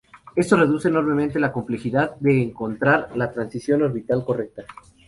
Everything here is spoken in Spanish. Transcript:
Esto reduce enormemente la complejidad de encontrar la transición orbital correcta.